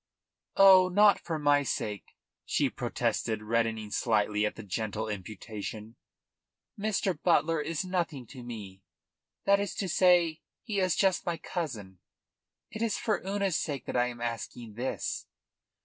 "Oh, not for my sake," she protested, reddening slightly at the gentle imputation. "Mr. Butler is nothing to me that is to say, he is just my cousin. It is for Una's sake that I am asking this."